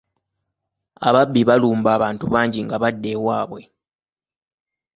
Ababbi balumba abantu bangi nga badda ewaabwe.